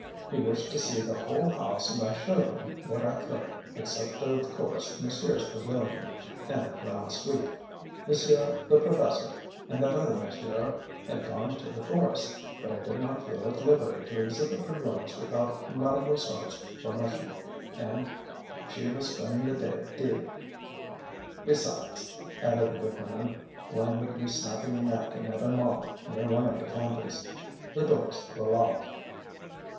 He wished to see the whole house and I showed him what I could, except of course monsieur's pavilion, and the Grande Suite. Monsieur the Professor and that other monsieur had gone to the forest, but I did not feel at liberty to exhibit their rooms without Madame Brossard's permission, and she was spending the day at Dives. Besides," added the good man, languidly snapping a napkin at a moth near one of the candles, "the doors were locked."